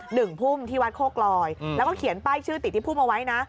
หนึ่งทุ่มที่วัดโคกลอยแล้วก็เขียนป้ายชื่อติดที่พุ่มเอาไว้นะ